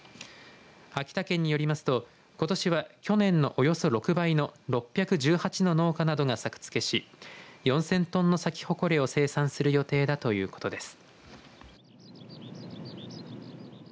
秋田県によりますと、ことしは去年のおよそ６倍の６１８の農家などが作付けし４０００トンのサキホコレを生産する予定だということです。